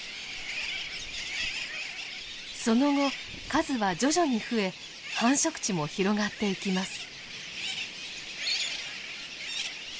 その後数は徐々に増え繁殖地も広がっていきます。